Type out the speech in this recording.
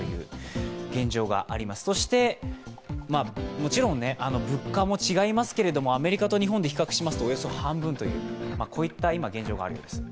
もちろん物価も違いますけれどもアメリカと日本で比較しますとおよそ半分といった現状があるようです。